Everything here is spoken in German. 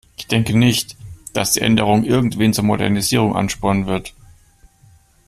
Ich denke nicht, dass die Änderung irgendwen zur Modernisierung anspornen wird.